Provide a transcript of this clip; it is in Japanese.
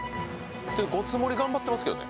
ごつ盛り頑張ってますけどね。